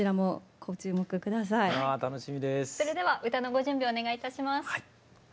それでは歌のご準備お願いいたします。